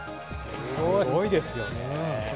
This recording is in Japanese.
すごいですよね。